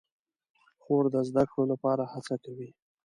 خور د زده کړو لپاره هڅه کوي.